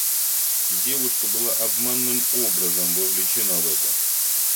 Девушка была обманным образом вовлечена в это...